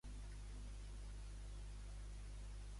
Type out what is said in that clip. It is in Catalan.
De quina forma va aconseguir Vortigern arribar al tron?